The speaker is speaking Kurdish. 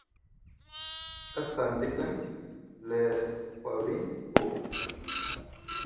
Ez xendiqîm lê xewin bû